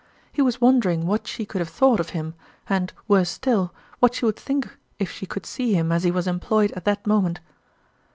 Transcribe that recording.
He was wondering what she could have thought of him, and, worse still, wiiat she would think if she could see him as he was employed at that moment